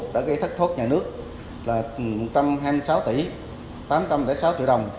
đã gây thất thốt nhà nước là một trăm hai mươi sáu tỷ tám trăm linh sáu triệu đồng